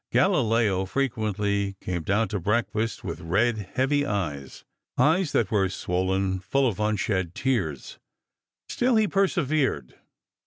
Galileo frequently came down to breakfast with red, heavy eyes; eyes that were swollen full of unshed tears. Still he persevered.